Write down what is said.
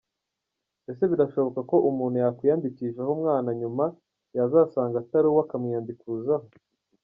Ese birashoboka ko umuntu yakwiyandikishaho umwana nyuma yazasanga atari uwe akamwiyandikuzaho